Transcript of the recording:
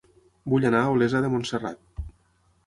Vull anar a Olesa de Montserrat